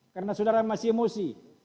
karena saudara masih emosi